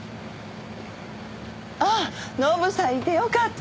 あっノブさんいてよかった。